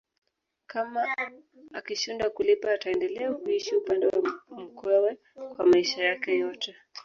Kama akishindwa kulipa ataendelea kuishi upande wa mkewe kwa maisha yake yote